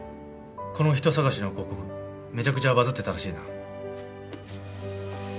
この人探しの広告めちゃくちゃバズってたらしいな。